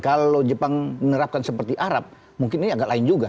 kalau jepang menerapkan seperti arab mungkin ini agak lain juga